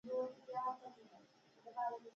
کله چې دوی له سپي سره لوبې پای ته ورسولې